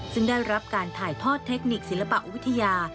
ซึ่งได้รับการถ่ายทอดเทคนิคศิลปวิทยา